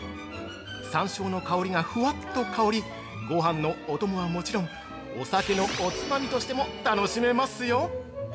山椒の香りがふわっと香りごはんのお供はもちろんお酒のおつまみとしても楽しめますよ！